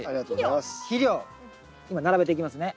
今並べていきますね。